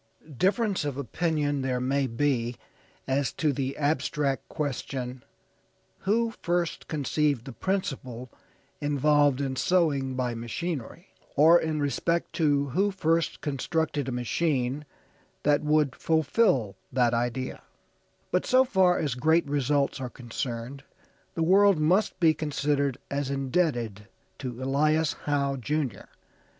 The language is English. Difference of opinion there may be as to the abstract question, who first conceived the principle involved in sewing by machinery, or in respect to who first constructed a machine that would fulfill that idea; but so far as great results are concerned the world must be considered as indebted to Elias Howe, Jr.